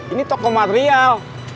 ini toko material